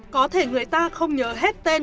có thể người ta không nhớ hết tên